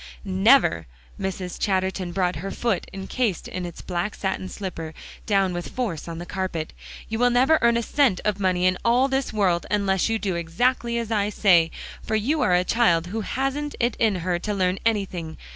"Never!" Mrs. Chatterton brought her foot, incased in its black satin slipper, down with force on the carpet. "You will never earn a cent of money in all this world, unless you do exactly as I say; for you are a child who hasn't it in her to learn anything.